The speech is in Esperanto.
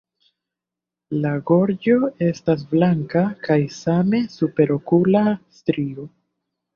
La gorĝo estas blanka kaj same superokula strio.